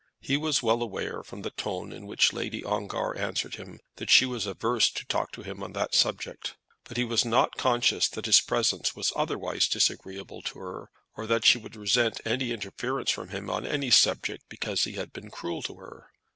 He was well aware, from the tone in which Lady Ongar answered him, that she was averse to talk to him on that subject; but he was not conscious that his presence was otherwise disagreeable to her, or that she would resent any interference from him on any subject because he had been cruel to her.